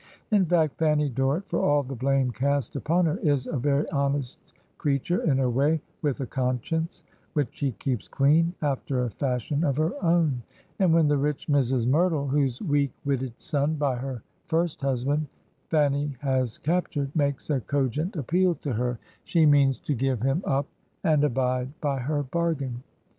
In fact, Fanny Dorrit, for all the blame cast upon her, is a very honest creature in her way, with a conscience which she keeps clean after a fashion of her own; and when the rich Mrs. Merdle, whose weak witted son by her first husband Fanny has captured, makes a cogent appeal to her, she 155 Digitized by VjOOQIC HEROINES OF FICTION means to give him up and abide by her bargain.